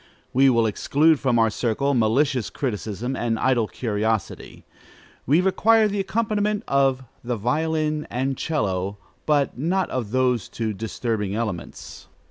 We will exclude from our circle malicious criticism and idle curiosity: we require the accompaniment of the violin and 'cello, but not of those two disturbing elements.